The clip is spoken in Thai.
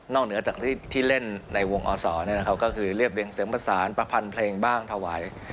เหนือจากที่เล่นในวงอศก็คือเรียบเรียงเสริมประสานประพันธ์เพลงบ้างถวาย